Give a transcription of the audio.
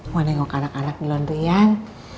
mau nengok anak anak di landean